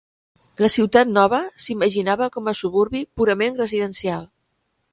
La Ciutat Nova s'imaginava com a suburbi purament residencial.